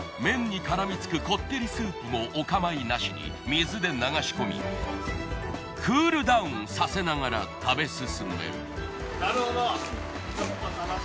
麺に絡みつくこってりスープもおかまいなしに水で流し込みクールダウンさせながら食べ進める。